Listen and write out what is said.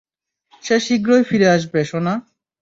সে শীঘ্রই ফিরে আসবে, সোনা।